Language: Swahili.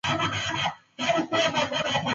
mto ulianza kukauka wakati wa ukame